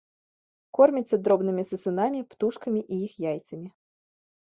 Корміцца дробнымі сысунамі, птушкамі і іх яйцамі.